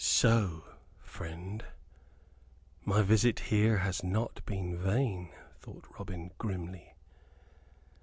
"So, friend, my visit here has not been vain," thought Robin, grimly.